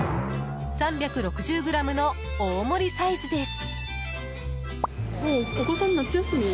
３６０ｇの大盛りサイズです。